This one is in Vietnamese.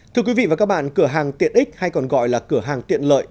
thưa quý vị và các bạn cửa hàng tiện ích hay còn gọi là cửa hàng tiện lợi